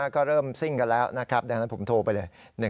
ก็เริ่มซิ่งกันแล้วนะครับดังนั้นผมโทรไปเลย